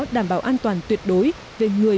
đảm bảo an toàn tuyệt đối về người